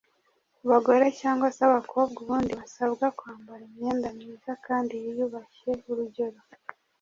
Ku bagore cyangwa se abakobwa ubundi basabwa kwambara imyenda myiza kandi yiyubashye urugero